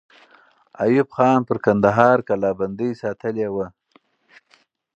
ایوب خان پر کندهار کلابندۍ ساتلې وه.